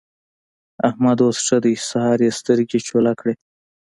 احمد اوس ښه دی؛ سهار يې سترګې چوله کړې.